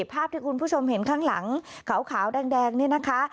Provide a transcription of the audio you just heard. ภาพที่คุณผู้ชมเห็นข้างหลังขาวแดงนี่นะคะ